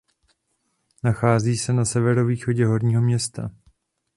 Nachází se na severovýchodě Horního Města.